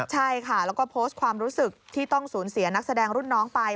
ใช่ค่ะแล้วก็โพสต์ความรู้สึกที่ต้องสูญเสียนักแสดงรุ่นน้องไป